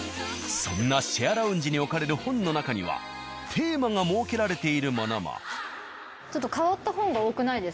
そんなシェアラウンジに置かれる本の中にはテーマが設けられているものも。